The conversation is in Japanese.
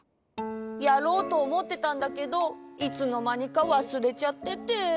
やろうとおもってたんだけどいつのまにか忘れちゃってて。